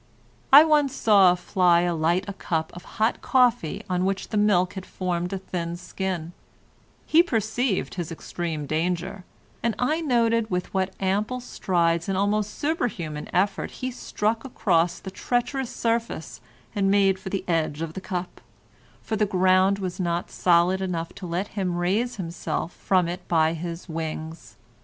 I once saw a fly alight on a cup of hot coffee on which the milk had formed a thin skin; he perceived his extreme danger, and I noted with what ample strides and almost supermuscan effort he struck across the treacherous surface and made for the edge of the cup—for the ground was not solid enough to let him raise himself from it by his wings.